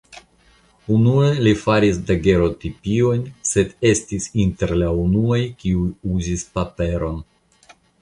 Unue li faris dagerotipiojn sed estis inter la unuaj kiuj uzis paperon.